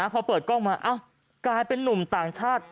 พอเปิดกล้องมากลายเป็นนุ่มต่างชาติ